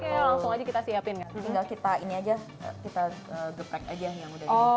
iya langsung aja kita siapin tinggal kita ini aja kita geprek aja yang udah jadi